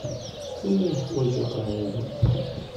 Tura i ḥwaǧeɣ aɛiwen.